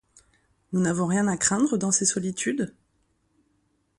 Nous n’avons rien à craindre dans ces solitudes?